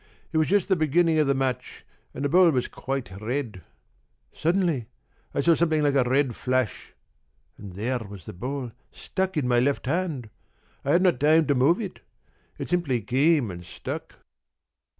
It was just the beginning of the match and the ball was quite red. Suddenly I saw something like a red flash and there was the ball stuck in my left hand. I had not time to move it. It simply came and stuck."